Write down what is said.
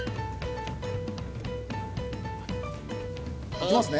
いきますね！